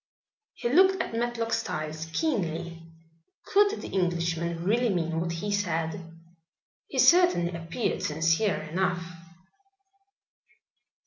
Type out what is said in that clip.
He looked at Matlock Styles keenly. Could the Englishman really mean what he said? He certainly appeared sincere enough.